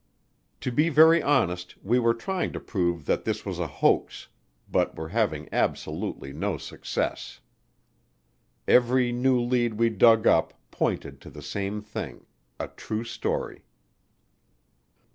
To be very honest, we were trying to prove that this was a hoax, but were having absolutely no success. Every new lead we dug up pointed to the same thing, a true story.